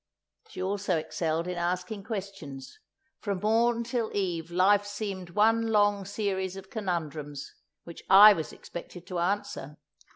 She also excelled in asking questions; from morn till eve life seemed one long series of conundrums which I was expected to answer.